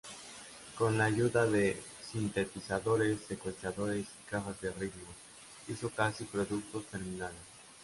Con la ayuda de sintetizadores, secuenciadores y cajas de ritmos, hizo casi productos terminados.